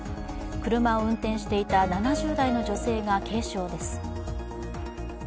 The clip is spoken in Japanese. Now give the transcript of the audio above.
車を運転していた７０代の女性が軽傷です。